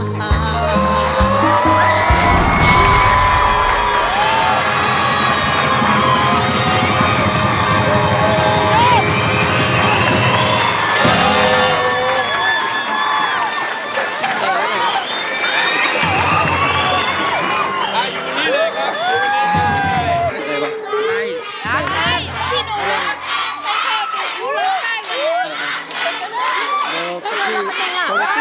ถ้าได้จะพาไปด้วยกันขอบคุณครับ